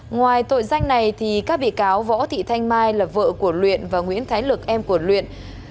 ngoài tội danh này các bị cáo võ thị thanh mai là vợ của luyện và nguyễn thái lực em của luyện